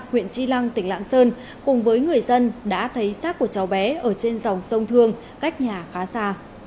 huyện tri lăng tỉnh lạng sơn cùng với người dân đã thấy xác của cháu bé ở trên dòng sông thương cách nhà khá xa